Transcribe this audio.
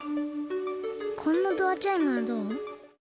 こんなドアチャイムはどう？